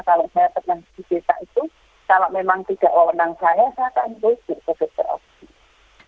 kalau saya pernah di desa itu kalau memang tidak wawonan saya saya akan berusaha